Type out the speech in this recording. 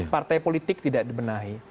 partai politik tidak dibenahi